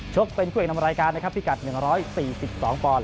เป็นคู่เอกนำรายการนะครับพิกัด๑๔๒ปอนด